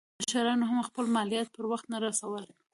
مشرانو هم خپل مالیات پر وخت نه رسول.